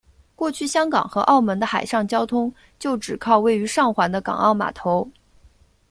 过去香港和澳门的海上交通就只靠位于上环的港澳码头。